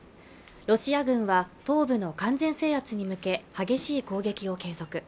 ロシア軍は東部の完全制圧に向け激しい攻撃を継続